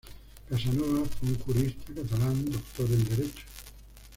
Casanova fue un jurista catalán, doctor en derecho.